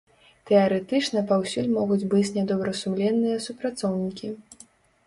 Тэарэтычна паўсюль могуць быць нядобрасумленныя супрацоўнікі.